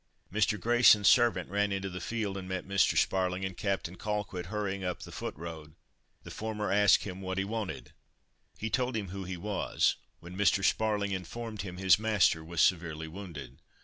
Mr. Grayson's servant ran into the field, and met Mr. Sparling and Captain Colquitt hurrying up the foot road, the former asked him "what he wanted?" he told him who he was, when Mr. Sparling informed him his master was severely wounded.